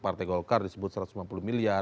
partai golkar disebut satu ratus lima puluh miliar